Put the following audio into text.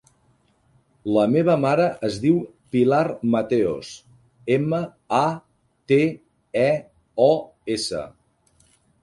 La meva mare es diu Pilar Mateos: ema, a, te, e, o, essa.